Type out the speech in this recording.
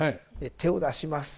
手を出します。